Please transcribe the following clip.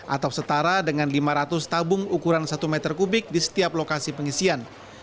atau setara dengan lima ratus tabung ukuran satu meter kubik di setiap lokasi pengisian